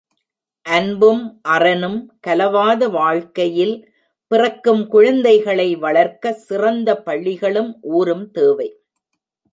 அன்பும், அறனும் கலவாத வாழ்க்கையில் பிறக்கும் குழந்தைகளை வளர்க்க, சிறந்த பள்ளிகளும் ஊரும் தேவை.?